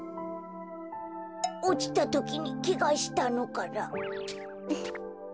おちたときにけがしたのかな。